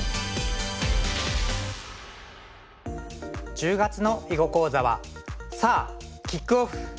１０月の囲碁講座は「さぁ！キックオフ」。